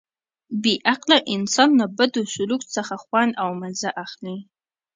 بې عقله انسان له بد سلوک څخه خوند او مزه اخلي.